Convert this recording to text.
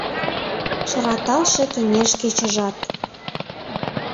Шыраталше кеҥеж кечыжат.